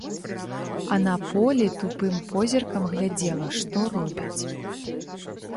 А на полі тупым позіркам глядзела, што робяць.